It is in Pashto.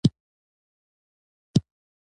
د پرانیستو بنسټونو ستنې یې کاواکه کولای شوای.